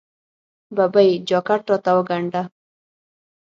ببۍ! جاکټ راته وګنډه.